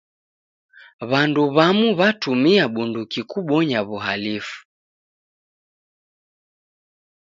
W'andu w'amu w'atumia bunduki kubonya w'uhalifu.